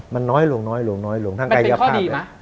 มันน้อยลงทางกายยับภาพไป